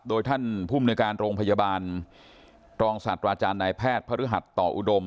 โดยท่านผู้อลพยาบาลธรรมศาสตร์อาจารย์นายแพทย์พระฤออุดม